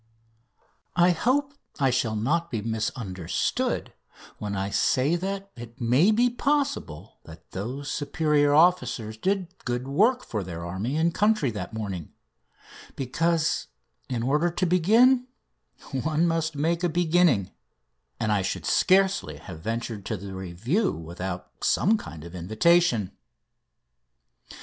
I hope I shall not be misunderstood when I say that it may be possible that those superior officers did good work for their army and country that morning because, in order to begin, one must make a beginning and I should scarcely have ventured to the review without some kind of invitation.